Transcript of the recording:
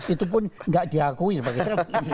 itu pun gak diakui begitu